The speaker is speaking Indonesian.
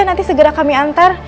nanti segera kami antar